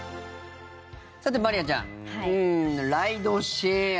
さて、まりあちゃんライドシェア。